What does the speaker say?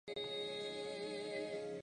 祖父孙子高。